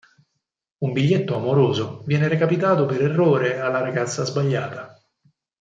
Un biglietto amoroso viene recapitato per errore alla ragazza sbagliata.